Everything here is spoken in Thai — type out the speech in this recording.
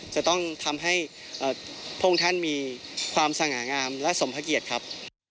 จะต้องทำให้พระองค์ท่านมีความสง่างามและสมพระเกียรติครับ